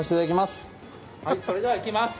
それでは、いきます、